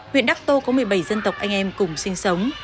huyện đắc tô có một mươi bảy dân tộc anh em cùng sinh sống